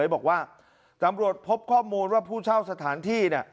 บอกว่าตำรวจพบข้อมูลว่าผู้เช่าสถานที่เนี่ย